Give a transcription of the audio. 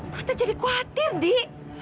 tante jadi khawatir dik